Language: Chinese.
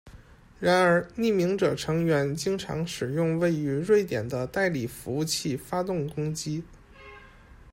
然而，匿名者成员经常使用位于瑞典的代理服务器发动攻击。